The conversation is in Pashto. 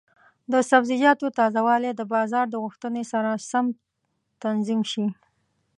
د سبزیجاتو تازه والی د بازار د غوښتنې سره سم تنظیم شي.